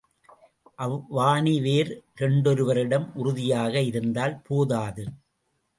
அவ்வாணி வேர் இரண்டொருவரிடம் உறுதியாக இருந்தால் போதாது.